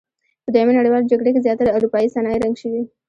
په دویمې نړیوالې جګړې کې زیاتره اورپایي صنایع رنګ شوي.